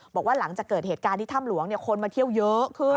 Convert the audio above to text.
บอกว่าหลังจากเกิดเหตุการณ์ที่ถ้ำหลวงคนมาเที่ยวเยอะขึ้น